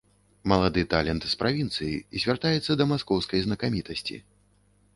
Малады талент з правінцыі звяртаецца да маскоўскай знакамітасці.